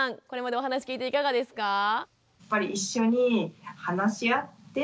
これまでお話聞いていかがですか？